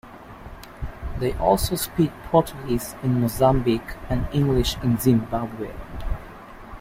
They also speak Portuguese in Mozambique and English in Zimbabwe.